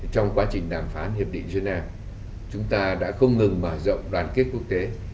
trong quá trình đàm phán hiệp định geneva chúng ta đã không ngừng mở rộng đoàn kết quốc tế